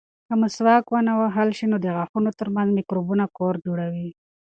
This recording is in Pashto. که مسواک ونه وهل شي، نو د غاښونو ترمنځ مکروبونه کور جوړوي.